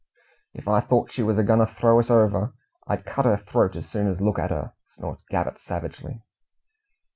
"If I thort she was agoin' to throw us over, I'd cut her throat as soon as look at her!" snorts Gabbett savagely.